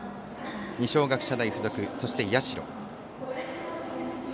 二松学舎大付属そして、社。